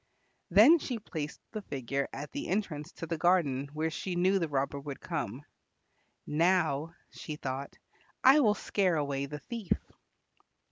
Then she placed the figure at the entrance to the garden where she knew the robber would come. "Now," she thought, "I will scare away the thief."